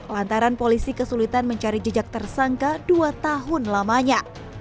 lantaran polisi kesulitan mencari jejak tersangka dua tahun lamanya